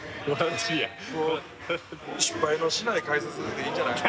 失敗のしない解説でいいんじゃない？